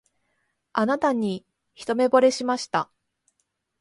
あなたに一目ぼれしました